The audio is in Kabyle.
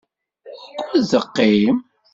Wukud teqqim?